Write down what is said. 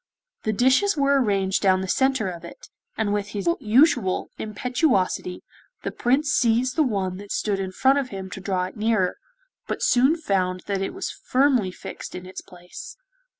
The dishes were arranged down the centre of it, and with his usual impetuosity the Prince seized the one that stood in front of him to draw it nearer, but soon found that it was firmly fixed in its place.